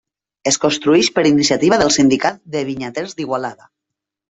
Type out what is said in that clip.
Es construeix per iniciativa del Sindicat de Vinyaters d'Igualada.